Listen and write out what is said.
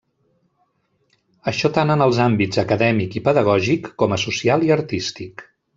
Això tant en els àmbits acadèmic i pedagògic com a social i artístic.